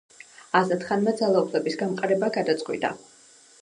აზატ ხანმა ძალაუფლების გამყარება გადაწყვიტა.